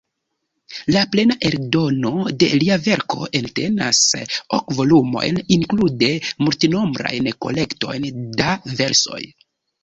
La plena eldono de lia verko entenas ok volumojn, inklude multenombrajn kolektojn da versoj.